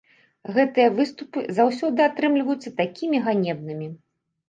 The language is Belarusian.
Гэтыя выступы заўсёды атрымліваюцца такімі ганебнымі!